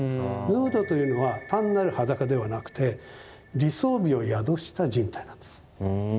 ヌードというのは単なる裸ではなくて理想美を宿した人体なんです。